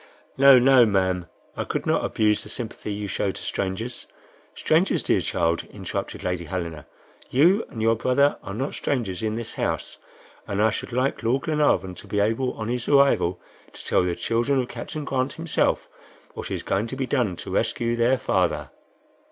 "Oh, no, ma'am. I could not abuse the sympathy you show to strangers." "Strangers, dear child!" interrupted Lady Helena; "you and your brother are not strangers in this house, and I should like Lord Glenarvan to be able on his arrival to tell the children of Captain Grant himself, what is going to be done to rescue their father."